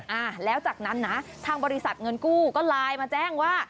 อ่าแล้วจากนั้นนะทางบริษัทเงินกู้ก็ไลน์มาแจ้งว่า